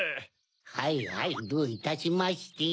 はいはいどういたしまして。